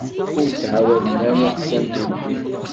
Ur ttɛawaden ara iɣsan tubbwi.